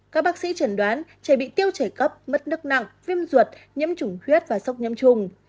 các bác sĩ chẩn đoán trẻ bị tiêu chảy cấp mất nước nặng viêm ruột nhiễm chủng huyết và sốc nhiễm trùng